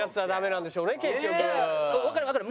わかるわかる。